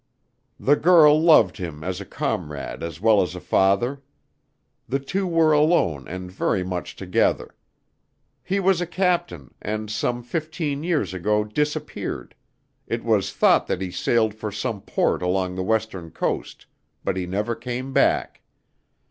"The girl loved him as a comrade as well as a father. The two were alone and very much together. He was a captain, and some fifteen years ago disappeared. It was thought that he sailed for some port along the western coast, but he never came back.